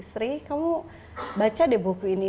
sri kamu baca deh buku ini